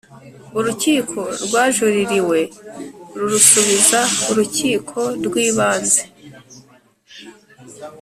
urukiko rwajuririwe rurusubiza urukiko rw ibanze